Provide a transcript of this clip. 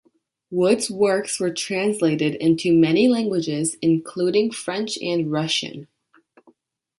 Wood's works were translated into many languages, including French and Russian.